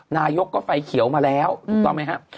นายกก็ไฟเขียวมาแล้วถูกต้องไหมครับ